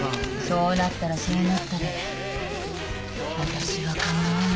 そうなったらそうなったで私は構わない。